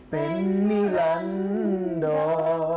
เป็นนิรันด์ล้อ